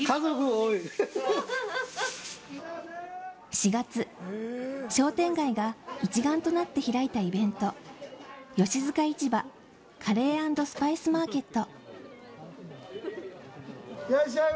４月、商店街が一丸となって開いたイベント、吉塚市場カレー＆スパイスマーケット。